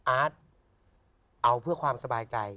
อาร์ตเอาเพื่อความสบายใจ